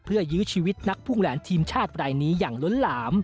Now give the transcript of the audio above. เพื่อยื้อชีวิตนักพุ่งแหลนทีมชาติรายนี้อย่างล้นหลาม